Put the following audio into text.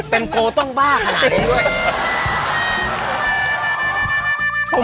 เป็นโกต้องบ้าขนาดนี้ด้วย